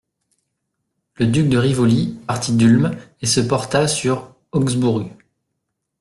Le duc de Rivoli partit d'Ulm et se porta sur Augsbourg.